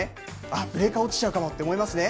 あっ、ブレーカー落ちちゃったわと思いますね。